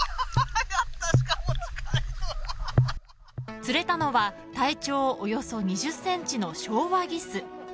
釣れたのは体長およそ２０センチのショウワギス。